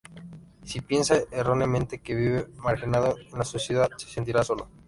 Si piensa erróneamente que vive marginado de la sociedad, se sentirá solo.